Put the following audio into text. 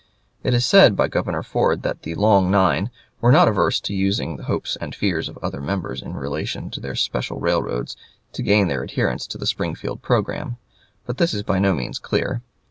It is said by Governor Ford that the "Long Nine" were not averse to using the hopes and fears of other members in relation to their special railroads to gain their adherence to the Springfield programme, but this is by no means clear.